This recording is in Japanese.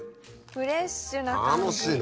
フレッシュな感じ。